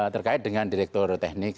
terkait dengan direktur teknik